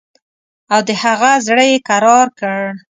او د هغه زړه یې کرار کړ.